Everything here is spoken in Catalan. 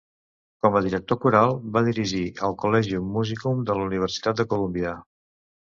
Com a director coral va dirigir el Collegium Musicum de la Universitat de Colúmbia.